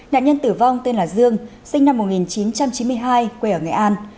nạn nhân tử vong tên là dương sinh năm một nghìn chín trăm chín mươi hai quê ở nghệ an